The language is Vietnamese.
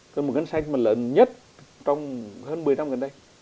thế là một ngân sách mà lớn nhất trong hơn một mươi năm gần đây